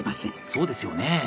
そうですよね！